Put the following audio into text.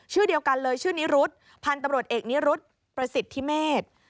ชื่อเดียวกันเลยชื่อนิรุธพันธุ์ตำรวจเอกนิรุธประสิทธิเมษ